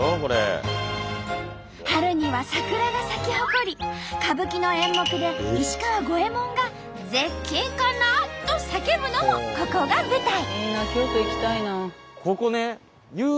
春には桜が咲き誇り歌舞伎の演目で石川五右衛門が「絶景かな」と叫ぶのもここが舞台。